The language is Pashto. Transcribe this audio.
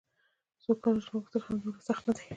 سوکاله ژوند غوښتل هم دومره سخت نه دي.